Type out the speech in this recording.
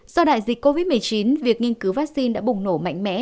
do đại dịch covid một mươi chín việc nghiên cứu vaccine đã bùng nổ mạnh mẽ